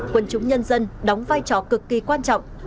quân chúng nhân dân đóng vai trò cực kỳ quan trọng